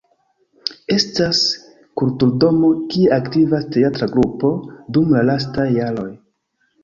Estas kulturdomo kie aktivas teatra grupo dum la lastaj jaroj.